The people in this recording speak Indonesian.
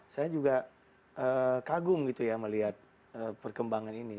saya juga kagum gitu ya melihat perkembangan ini